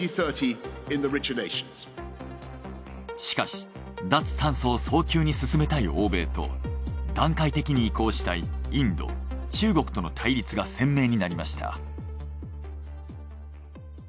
しかし脱炭素を早急に進めたい欧米と段階的に移行したいインド中国との対立が鮮明になりました。